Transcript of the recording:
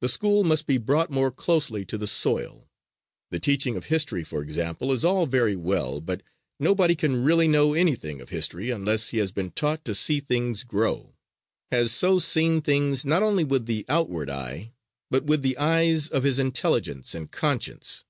The school must be brought more closely to the soil. The teaching of history, for example, is all very well, but nobody can really know anything of history unless he has been taught to see things grow has so seen things not only with the outward eye, but with the eyes of his intelligence and conscience.